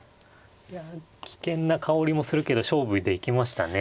いや危険なかおりもするけど勝負で行きましたね。